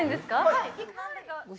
はい。